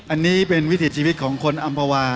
อันนี้เป็นวิถีชีวิตของคนอำภาวา